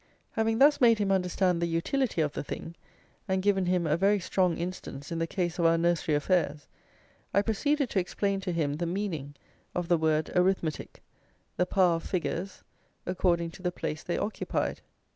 Having thus made him understand the utility of the thing, and given him a very strong instance in the case of our nursery affairs, I proceeded to explain to him the meaning of the word arithmetic, the power of figures, according to the place they occupied.